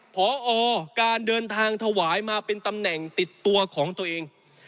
พอการเดินทางถวายมาเป็นตำแหน่งติดตัวของตัวเอง